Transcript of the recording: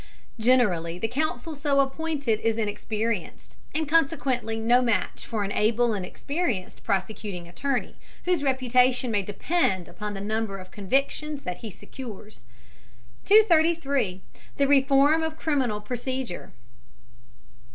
Generally the counsel so appointed is inexperienced, and consequently no match for an able and experienced prosecuting attorney, whose reputation may depend upon the number of convictions that he secures. 233. THE REFORM OF CRIMINAL PROCEDURE.